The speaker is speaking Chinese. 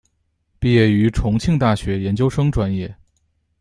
毕业于重庆大学研究生专业。